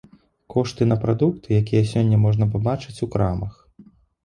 Кошты на прадукты, якія сёння можна пабачыць у крамах.